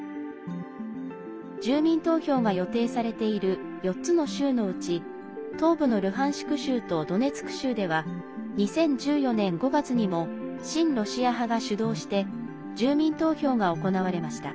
住民投票が予定されている４つの州のうち東部のルハンシク州とドネツク州では２０１４年５月にも親ロシア派が主導して住民投票が行われました。